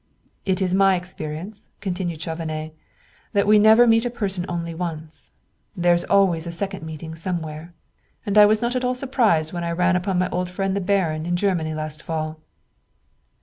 "It's my experience," continued Chauvenet, "that we never meet a person once only there's always a second meeting somewhere; and I was not at all surprised when I ran upon my old friend the baron in Germany last fall."